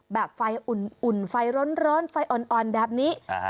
แบบไฟอุ่นไฟร้อนไฟอ่อนแบบนี้